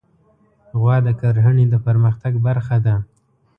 غوا د کرهڼې د پرمختګ برخه ده.